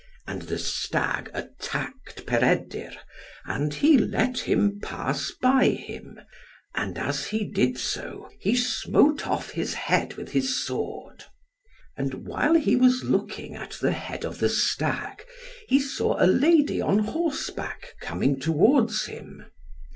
And the stag attacked Peredur, and he let him pass by him, and as he did so, he smote off his head with his sword. And while he was looking at the head of the stag, he saw a lady on horseback coming towards him.